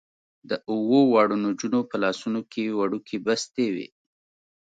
د اوو واړو نجونو په لاسونو کې وړوکې بستې وې.